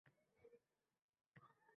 Ona enagami yoki bog'cha opa?